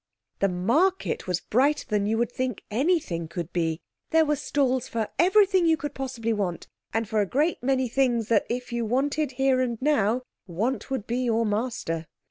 The market was brighter than you would think anything could be. There were stalls for everything you could possibly want—and for a great many things that if you wanted here and now, want would be your master.